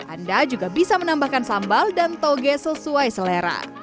anda juga bisa menambahkan sambal dan toge sesuai selera